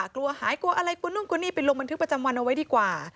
กลัวหายกลัวอะไรกลัวนู่นกว่านี่ไปลงบันทึกประจำวันเอาไว้ดีกว่า